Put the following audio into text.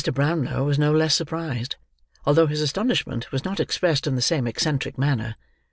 Browlow was no less surprised, although his astonishment was not expressed in the same eccentric manner.